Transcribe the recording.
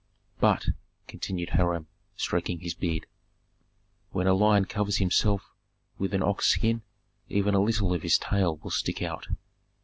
"But," continued Hiram, stroking his beard, "when a lion covers himself with an ox skin, even a little of his tail will stick out.